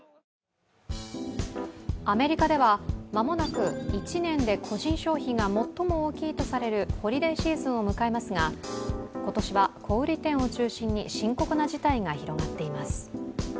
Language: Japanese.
アメリカでは、まもなく１年で個人消費が最も大きいとされるホリデーシーズンを迎えますが、今年は小売店を中心に深刻な事態が広がっています。